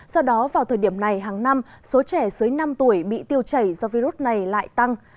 do đó vào thời điểm này hàng năm số trẻ dưới năm tuổi bị tiêu chảy do virus này lại tăng